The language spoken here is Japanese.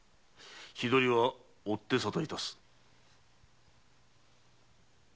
日取りは追って沙汰致す。